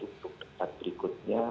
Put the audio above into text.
untuk debat berikutnya